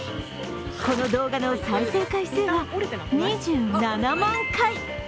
この動画の再生回数は２７万回。